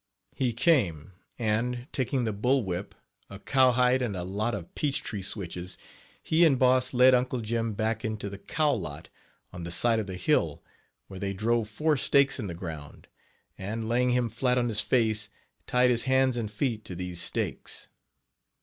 He came, and, taking the bull whip, a cowhide and a lot of peach tree switches, he and Boss led Uncle Jim back into the cow lot, on the side of the hill, where they drove four stakes in the ground, and, laying him flat on his face, tied his hands and feet to these stakes.